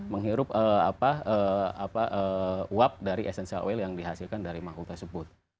menghirup apa apa uap dari essential oil yang dihasilkan dari mangkuk tersebut